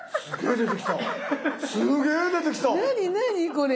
これ！